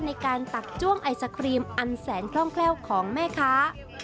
ในการตักจ้วงไอศครีมอันแสนคล่องแคล่วของแม่ค้า